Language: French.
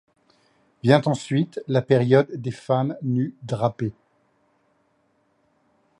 Vient ensuite la période des femmes nues drapées.